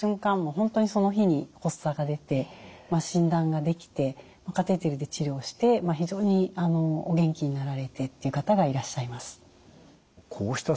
本当にその日に発作が出て診断ができてカテーテルで治療して非常にお元気になられてっていう方がいらっしゃいます。